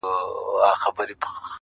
گوره ځوانـيمـرگ څه ښـه وايــي,